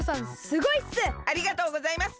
すごいっす！